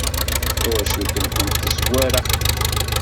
Tawacult-nwent tezwar axeddim.